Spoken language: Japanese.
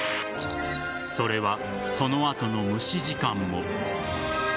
それは、その後の蒸し時間も。